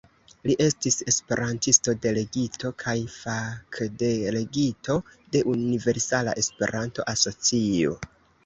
Li estis esperantisto, delegito kaj fakdelegito de Universala Esperanto-Asocio.